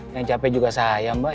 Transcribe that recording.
yang capek juga saya mbak